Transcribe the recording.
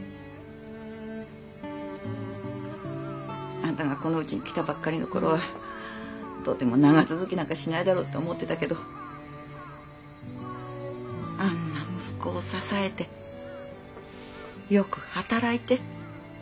あんたがこのうちに来たばっかりの頃はとても長続きなんかしないだろうって思ってたけどあんな息子を支えてよく働いて。